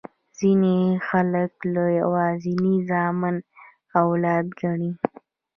ځیني خلګ یوازي زامن اولاد ګڼي.